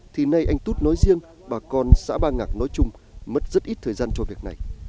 thì nay anh tút nói riêng bà con xã ba ngạc nói chung mất rất ít thời gian cho việc này